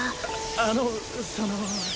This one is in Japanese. あのその。